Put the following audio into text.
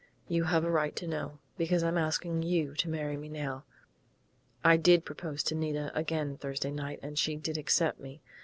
"You have a right to know, because I'm asking you to marry me now.... I did propose to Nita again Thursday night, and she did accept me.